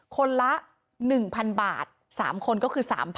คนละ๑๐๐๐บาท๓คนก็คือ๓๐๐๐